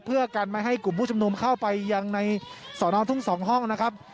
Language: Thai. เพื่อกันไม่ให้กลุ่มผู้ชุมนุมเข้าไปยังในสอนอทุ่ง๒ห้องนะครับ